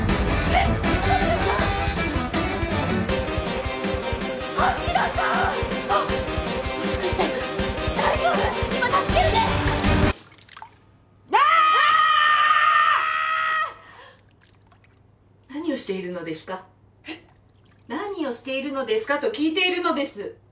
えっ？何をしているのですかと聞いているのです。